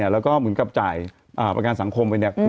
แล้วก็เหมือนกับจ่ายประกันสังคมไปเนี่ย